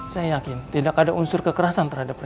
saya yakin tidak ada unsur kekerasan terhadap mereka